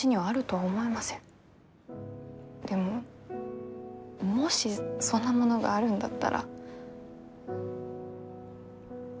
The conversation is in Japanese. でももしそんなものがあるんだったら見つけましょう。